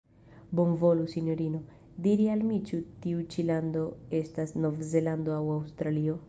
Bonvolu, Sinjorino, diri al mi ĉu tiu ĉi lando estas Nov-Zelando aŭ Aŭstralio?.